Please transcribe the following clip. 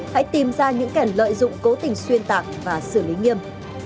hãy tìm ra những kẻ lợi dụng cố tình xuyên tạc và xử lý nghiêm